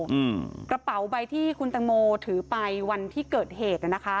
อืมกระเป๋าใบที่คุณตังโมถือไปวันที่เกิดเหตุน่ะนะคะ